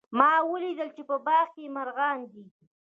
ما ولیدل چې په باغ کې مرغان دي